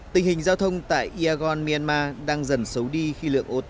tình hình giao thông tại yagon myanmar đang dần xấu đi khi lượng ô tô tham gia